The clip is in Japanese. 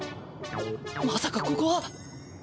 まさかここは。